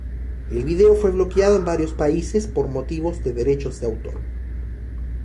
El vídeo fue bloqueado en varios países por motivos de derechos de autor.